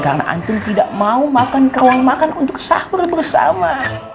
karena antum tidak mau makan ke ruang makan untuk sahur bersama